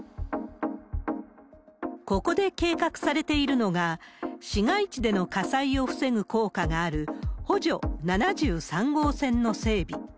ここで計画されているのが、市街地での火災を防ぐ効果がある、補助７３号線の整備。